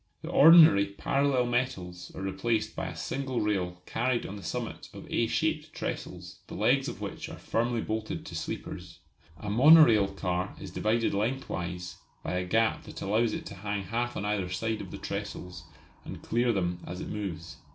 The ordinary parallel metals are replaced by a single rail carried on the summit of A shaped trestles, the legs of which are firmly bolted to sleepers. A monorail car is divided lengthwise by a gap that allows it to hang half on either side of the trestles and clear them as it moves.